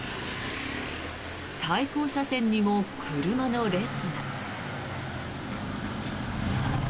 対向車線にも車の列が。